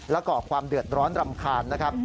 และก่อความเดือดร้อนรำคาญนะครับ